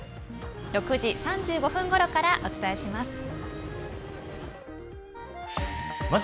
６時３５分ごろからお伝えします。